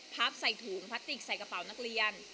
พับใส่ถุงพลาสติกใส่กระเป๋านักเรียน